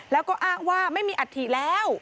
แล้วก็อ้างว่าไม่มีอัฐิแล้ว